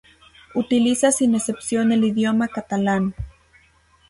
Utiliza sin excepción el idioma catalán.